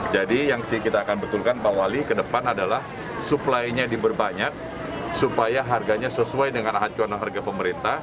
yang kita akan betulkan pak wali ke depan adalah suplainya diberbanyak supaya harganya sesuai dengan acuan harga pemerintah